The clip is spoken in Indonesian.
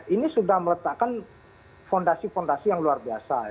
ini sudah meletakkan fondasi fondasi yang luar biasa